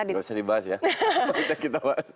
tidak usah dibahas ya tidak usah kita bahas